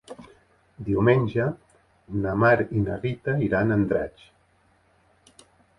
Diumenge na Mar i na Rita iran a Andratx.